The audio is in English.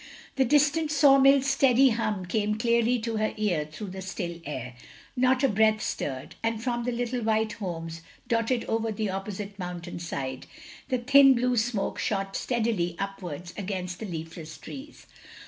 The distant saw mill's steady himi came clearly to her ear through the still air; not a breath stirred; and from the little white homes dotted over the opposite mountain side, the thin blue smoke shot steadily upwards against the leafless trees.